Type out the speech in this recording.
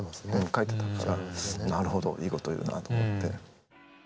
書いてたからなるほどいいこと言うなと思って。